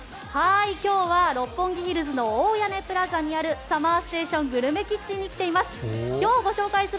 今日は六本木ヒルズの大屋根プラザにある「ＳＵＭＭＥＲＳＴＡＴＩＯＮグルメキッチン」に来ています。